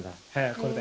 これで」